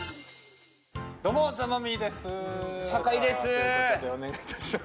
どうも、ザ・マミィです。